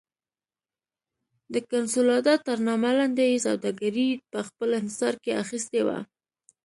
د کنسولاډا تر نامه لاندې یې سوداګري په خپل انحصار کې اخیستې وه.